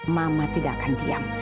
mama tidak akan diam